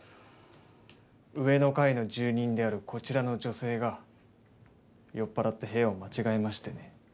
上の階の住人であるこちらの女性が酔っ払って部屋を間違えましてね。